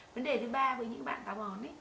vấn đề thứ ba với những bạn táo bón ấy